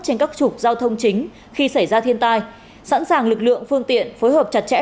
trên các trục giao thông chính khi xảy ra thiên tai sẵn sàng lực lượng phương tiện phối hợp chặt chẽ